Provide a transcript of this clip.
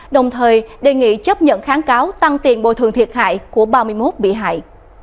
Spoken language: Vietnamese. đồng thời đề nghị chấp nhận kháng cáo tăng tiền bồi thường thiệt hại của ba mươi một bị hại